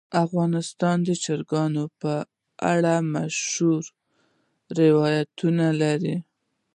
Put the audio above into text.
افغانستان د چرګانو په اړه مشهور تاریخی روایتونه لري.